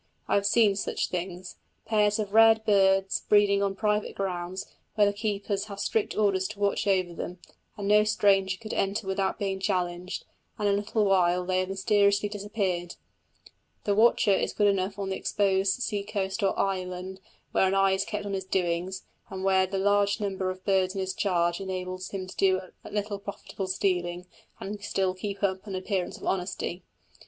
I have seen such things pairs of rare birds breeding in private grounds, where the keepers had strict orders to watch over them, and no stranger could enter without being challenged, and in a little while they have mysteriously disappeared. The "watcher" is good enough on the exposed sea coast or island where an eye is kept on his doings, and where the large number of birds in his charge enables him to do a little profitable stealing and still keep up an appearance of honesty.